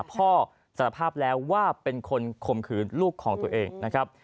พ่อสารภาพแล้วว่าเป็นคนข่มขืนลูกของตัวเองนะครับ